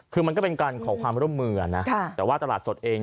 คือมันก็เป็นการขอความร่วมมือนะแต่ว่าตลาดสดเอง